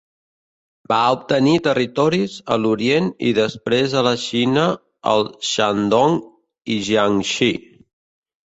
Va obtenir territoris a l'orient i després a la Xina al Shandong i Jiangxi.